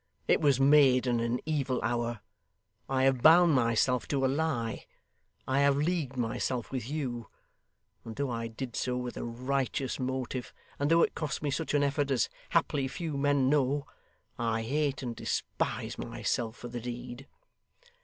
'It was made in an evil hour. I have bound myself to a lie; I have leagued myself with you; and though I did so with a righteous motive, and though it cost me such an effort as haply few men know, I hate and despise myself for the deed.